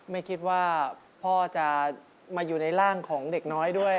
ไม่คิดว่าพ่อจะมาอยู่ในร่างของเด็กน้อยด้วย